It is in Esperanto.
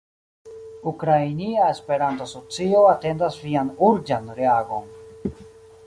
Ukrainia Esperanto-Asocio atendas Vian urĝan reagon."